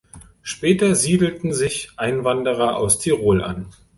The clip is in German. Später siedelten sich Einwanderer aus Tirol an.